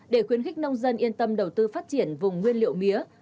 để khuyến khích nông dân yên tâm đầu tư phát triển vùng nguyên liệu mía